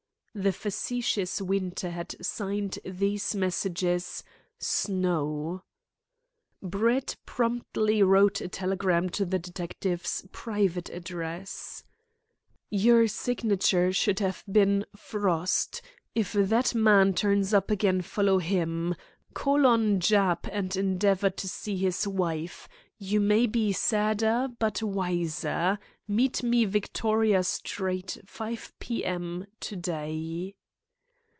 The facetious Winter had signed these messages "Snow." Brett promptly wrote a telegram to the detective's private address: "Your signature should have been 'Frost.' If that fat man turns up again follow him. Call on Jap and endeavour to see his wife. You may be sadder but wiser. Meet me Victoria Street, 5 p.m. to day."